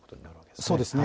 そうですね。